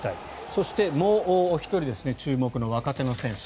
そしてもう１人注目の若手の選手。